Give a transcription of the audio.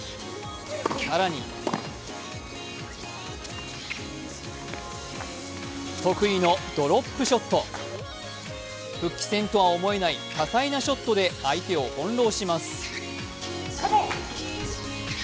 更に得意のドロップショット、復帰戦とは思えない多彩なショットで相手を翻弄します。